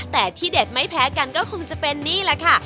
แต่ที่เด็ดไม่แพ้กันก็คงจะเป็นนี่แหละค่ะ